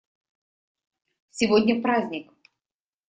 Сегодня праздник.